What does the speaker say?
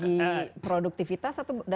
dari segi produktivitas atau berbeda